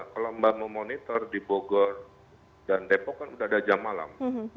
kalau mbak memonitor di bogor dan depok kan sudah ada jam malam